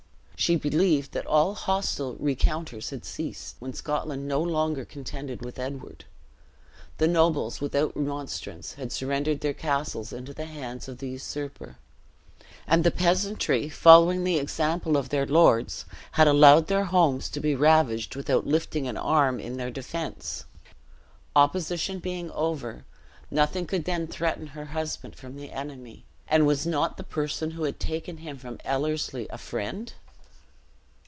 She believed that all hostile recounters had ceased, when Scotland no longer contended with Edward. The nobles, without remonstrance, had surrendered their castles into the hands of the usurper; and the peasantry, following the example of their lords, had allowed their homes to be ravaged without lifting an arm in their defense. Opposition being over, nothing could then threaten her husband from the enemy; and was not the person who had taken him from Ellerslie a friend?